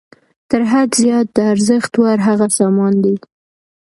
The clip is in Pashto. تر حد زیات د ارزښت وړ هغه سامان دی